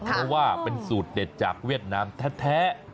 เพราะว่าเป็นสูตรเด็ดจากเวียดนามแท้